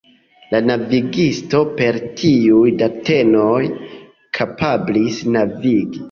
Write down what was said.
La navigisto per tiuj datenoj kapablis navigi.